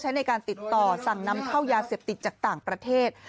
ในการติดต่อสั่งนำเข้ายาเสพติดจากต่างประเทศ